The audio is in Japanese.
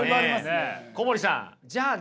小堀さんじゃあね